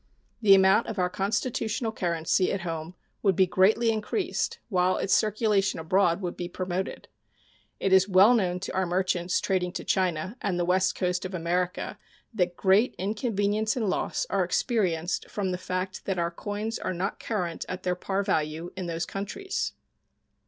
The amount of our constitutional currency at home would be greatly increased, while its circulation abroad would be promoted. It is well known to our merchants trading to China and the west coast of America that great inconvenience and loss are experienced from the fact that our coins are not current at their par value in those countries.